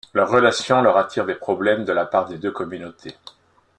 Leur relation leur attire des problèmes de la part des deux communautés.